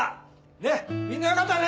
ねえみんなよかったね！